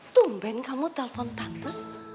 tumben kamu telpon tante